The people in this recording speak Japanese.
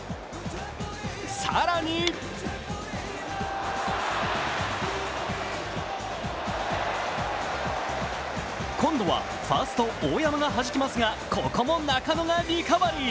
更に今度はファースト・大山がはじきますがここも中野がリカバリー。